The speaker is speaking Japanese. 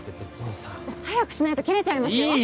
早くしないと切れちゃいますよ。